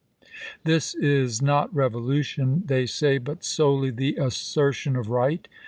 " This is not revolution," they say, Ibid. "but solely the assertion of right."